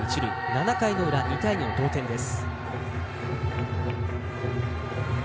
７回の裏、２対２の同点です。